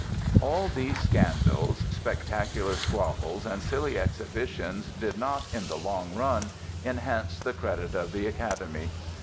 All these scandals, spectacular squabbles and silly exhibitions did not, in the long run, enhance the credit of the Academy.